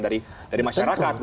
dari masyarakat begitu